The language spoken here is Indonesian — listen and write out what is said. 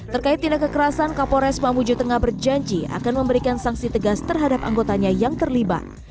terkait tindak kekerasan kapolres mamuju tengah berjanji akan memberikan sanksi tegas terhadap anggotanya yang terlibat